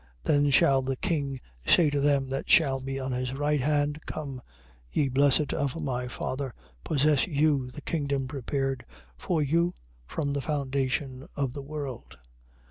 25:34. Then shall the king say to them that shall be on his right hand: Come, ye blessed of my Father, possess you the kingdom prepared for you from the foundation of the world.